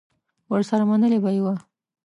ورسره منلې به یې وه